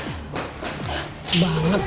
cepet banget ya